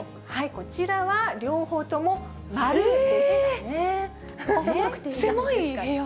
こちらは両方とも〇ですね。